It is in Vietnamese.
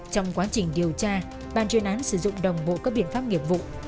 trong quá trình điều tra ban chuyên án sử dụng đồng bộ các biện pháp nghiệp vụ